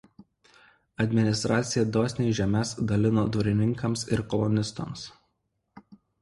Administracija dosniai žemes dalino dvarininkams ir kolonistams.